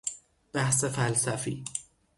بحث فلسفی